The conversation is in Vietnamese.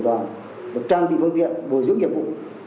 được trang bị phương tiện bồi dưỡng nhiệm vụ